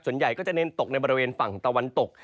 ส่วนใหญ่ก็จะเน้นตกในบริเวณฝั่งตะวันตก